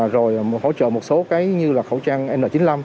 rồi hỗ trợ một số cái như là khẩu trang n chín mươi năm